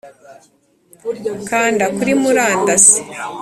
kanda kuri murandasi